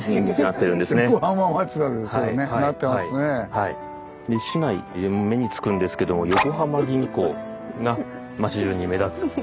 で市内で目につくんですけども横浜銀行が町じゅうに目立つ。